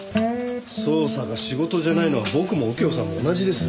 捜査が仕事じゃないのは僕も右京さんも同じです。